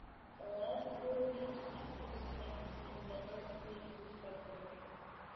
The last two of these feature Stinz and The Desert Peach, respectively.